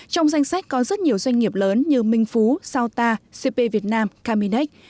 trong danh sách có rất nhiều doanh nghiệp lớn như minh phú sao ta cp việt nam caminex